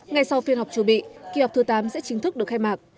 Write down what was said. ngay sau phiên họp chủ bị kỳ họp thứ tám sẽ chính thức được khai mạc